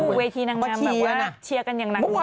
อู้เวทีนางามเชียร์กันอย่างนางวง